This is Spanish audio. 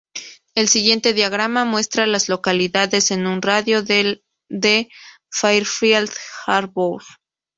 El siguiente diagrama muestra a las localidades en un radio de de Fairfield Harbour.